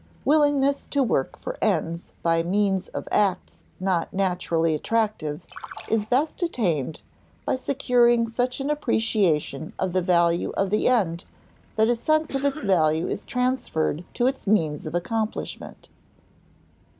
Willingness to work for ends by means of acts not naturally attractive is best attained by securing such an appreciation of the value of the end that a sense of its value is transferred to its means of accomplishment.